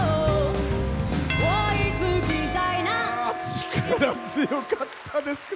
力強かったです。